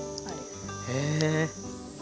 へえ。